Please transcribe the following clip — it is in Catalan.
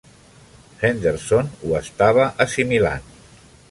Henderson ho estava assimilant.